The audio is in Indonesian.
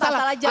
salah jawab pak